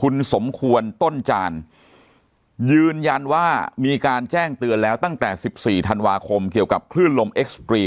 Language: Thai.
คุณสมควรต้นจานยืนยันว่ามีการแจ้งเตือนแล้วตั้งแต่๑๔ธันวาคมเกี่ยวกับคลื่นลมเอ็กซ์ตรีม